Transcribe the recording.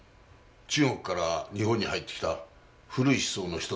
中国から日本に入ってきた古い思想の１つだろ？